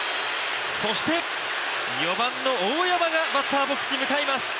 そして、４番の大山がバッターボックスに入ります。